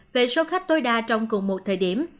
về số khách tối đa trong cùng một thời điểm